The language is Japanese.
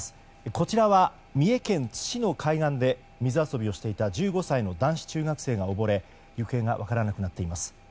こちらは三重県津市の海岸で水遊びをしていた１５歳の男子中学生が溺れ行方が分からなくなっています。